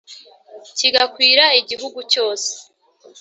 kigakwira igihugu cyose